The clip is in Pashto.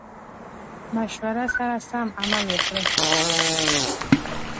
مشورو سره سم عمل وکړي.